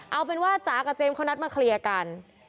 เอาเป็นว่าจ๋ากับเจมส์เขานัดมาเคลียร์กัน